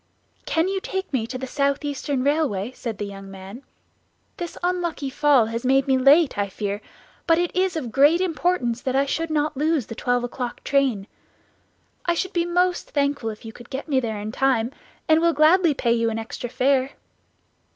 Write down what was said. "Can you take me to the South Eastern Railway?" said the young man; "this unlucky fall has made me late, I fear; but it is of great importance that I should not lose the twelve o'clock train. I should be most thankful if you could get me there in time, and will gladly pay you an extra fare."